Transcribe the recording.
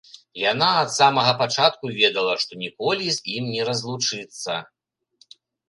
Яна ад самага пачатку ведала, што ніколі з ім не разлучыцца.